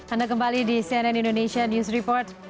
anda kembali di cnn indonesia news report